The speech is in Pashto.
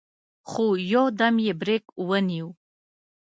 خو يودم يې برېک ونيو.